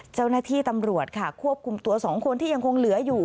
เจ้าหน้าที่ตำรวจค่ะควบคุมตัว๒คนที่ยังคงเหลืออยู่